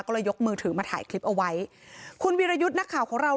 ก็เลยยกมือถือมาถ่ายคลิปเอาไว้คุณวิรยุทธ์นักข่าวของเรา